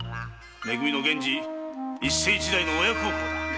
め組の源次一世一代の親孝行だ。